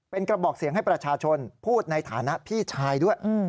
เป็นกระบอกเสียงให้ประชาชนพูดในฐานะพี่ชายด้วย